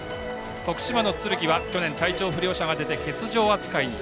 徳島のつるぎは、去年体調不良者が出て欠場扱いに。